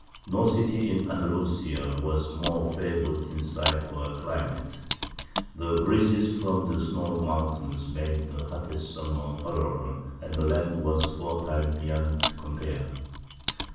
No city in Andalusia was more favoured in site or climate; the breezes from the snow mountains made the hottest summer tolerable, and the land was fertile beyond compare.